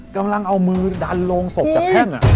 กำลังเอามือดันโรงศพจากแท่ง